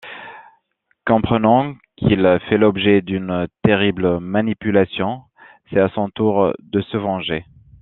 Comprenant qu’il fait l’objet d’une terrible manipulation, c’est à son tour de se venger.